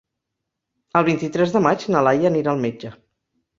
El vint-i-tres de maig na Laia anirà al metge.